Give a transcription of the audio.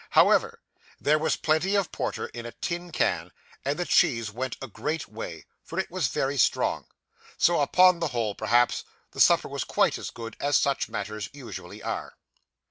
However, there was plenty of porter in a tin can; and the cheese went a great way, for it was very strong. So upon the whole, perhaps, the supper was quite as good as such matters usually are.